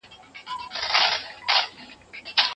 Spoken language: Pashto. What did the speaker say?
هوښیاران چي پر دې لار کړي سفرونه